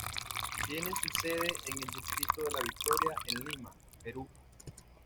Tiene su sede en el distrito de La Victoria, en Lima, Perú.